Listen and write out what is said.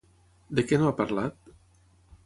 De què no ha parlat?